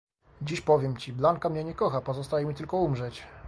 "Dziś powiem ci: Blanka mnie nie kocha, pozostaje mi tylko umrzeć!"